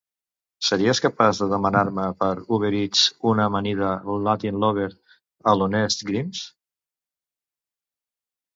Series capaç de demanar-me per Uber Eats una amanida Latin Lover a l'Honest Greens?